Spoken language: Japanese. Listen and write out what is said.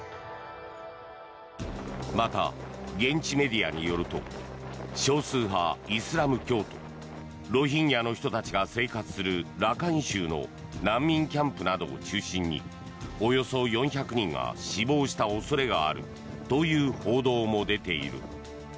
また、現地メディアによると少数派イスラム教徒ロヒンギャの人たちが生活するラカイン州の難民キャンプなどを中心におよそ４００人が死亡した恐れがあるという報道も出ている。